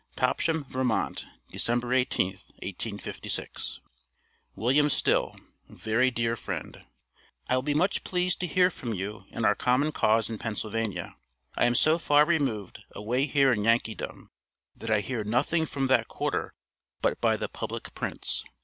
TOPSHAM, VT., December 18th, 1856. WM. STILL, VERY DEAR FRIEND: I will be much pleased to hear from you and our common cause in Pennsylvania. I am so far removed, away here in Yankeedom, that I hear nothing from that quarter but by the public prints.